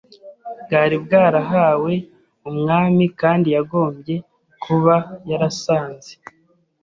bwari bwarahawe umwami kandi yagombye kuba yarasanze